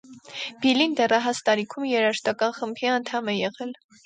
Բիլին դեռահաս տարիքում երաժշտական խմբի անդամ է եղել։